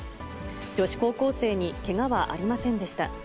女子高校生にけがはありませんでした。